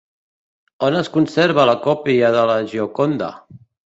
On es conserva la còpia de la Gioconda?